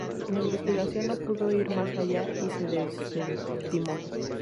La investigación no pudo ir más allá, y se desestimó.